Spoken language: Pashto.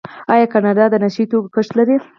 آیا کاناډا د نشه یي توکو کښت لري؟